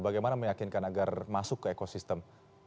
bagaimana meyakinkan agar masuk ke ekosistem